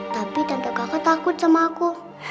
tapi tante aku takut sama aku